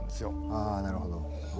あなるほど。